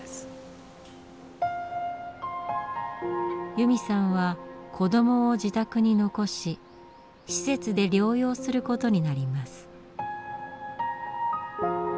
由美さんは子どもを自宅に残し施設で療養することになります。